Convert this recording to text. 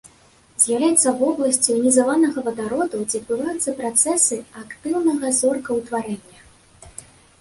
З'яўляецца вобласцю іанізаванага вадароду, дзе адбываюцца працэсы актыўнага зоркаўтварэння.